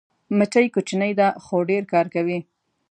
مچمچۍ کوچنۍ ده خو ډېر کار کوي